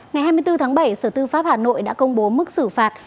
ngày hai mươi bốn tháng bảy sở tư pháp hà nội đã công bố mức xử phạt